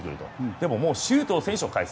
でも周東選手もかえす。